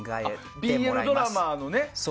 ＢＬドラマのね。